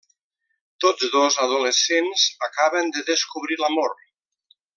Tots dos adolescents acaben de descobrir l'amor.